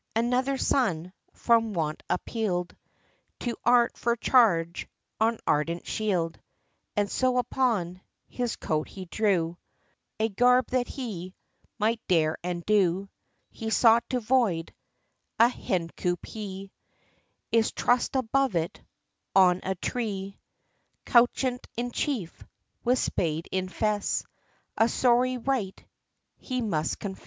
ANOTHER Son, From want appeald, To art, for Charge, On Argent Shield, And so, upon His Coat he drew A Garb, that he Might dare, and do HE sought to Void A hen coup, he Is Trussed above it, On a tree; Couchant, in Chief, With Spade, in Fesse, A sorry wight, He must confess.